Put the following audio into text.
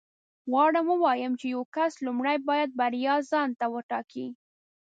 غواړم ووایم چې یو کس لومړی باید بریا ځان ته وټاکي